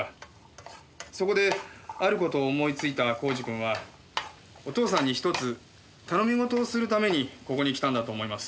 そこである事を思いついた耕治君はお父さんにひとつ頼み事をするためにここに来たんだと思います。